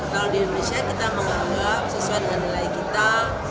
kalau di indonesia kita menganggap sesuai dengan nilai kita